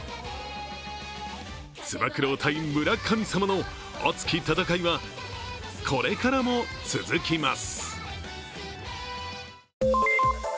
つば九郎×村神様の熱き戦いはこれからも続きます。